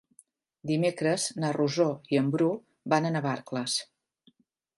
Dimecres na Rosó i en Bru van a Navarcles.